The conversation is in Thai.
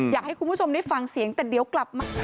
อยากให้คุณผู้ชมได้ฟังเสียงแต่เดี๋ยวกลับมาค่ะ